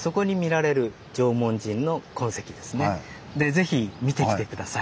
ぜひ見てきて下さい。